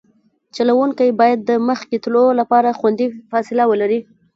چلوونکی باید د مخکې تلو لپاره خوندي فاصله ولري